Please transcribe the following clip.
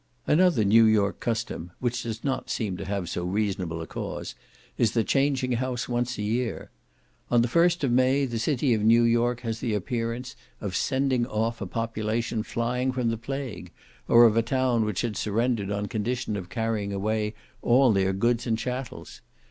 Another New York custom, which does not seem to have so reasonable a cause, is the changing house once a year. On the 1st of May the city of New York has the appearance of sending off a population flying from the plague, or of a town which had surrendered on condition of carrying away all their goods and chattels.